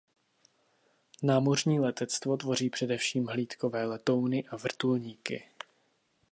Námořní letectvo tvoří především hlídkové letouny a vrtulníky.